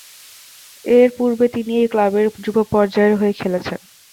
এরপূর্বে তিনি এই ক্লাবের যুব পর্যায়ের হয়ে খেলেছেন।